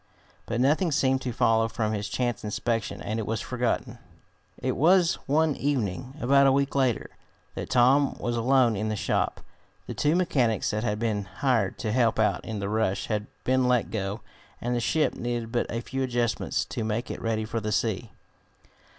But nothing seemed to follow from his chance inspection, and it was forgotten. It was one evening, about a week later, that Tom was alone in the shop. The two mechanics that had been hired to help out in the rush had been let go, and the ship needed but a few adjustments to make it ready for the sea.